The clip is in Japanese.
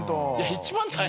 一番大変。